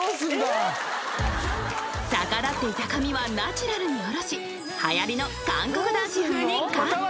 ［逆立っていた髪はナチュラルに下ろしはやりの韓国男子風にカット］